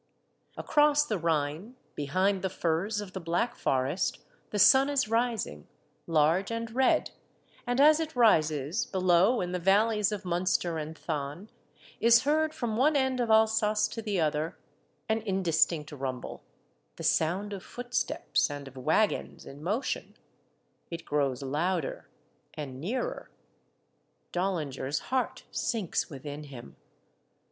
Across the Rhine, behind the firs of the Black Forest, the sun is rising, large and red ; and as it rises, below, in the valleys of Munster and Thann, is heard from one end of Alsace to the other an indistinct rumble, the sound of footsteps and of wagons in motion ; it grows louder and nearer. Dollinger's heart sinks within him.